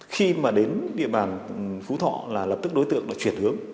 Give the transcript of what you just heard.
khi mà đến địa bàn phú thọ là lập tức đối tượng đã chuyển hướng